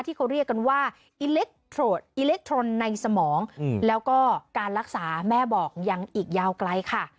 ที่เขาเรียกกันว่าอิเล็กทรอิเล็กทรอนในสมองแล้วก็การรักษาแม่บอกยังอีกยาวไกลค่ะ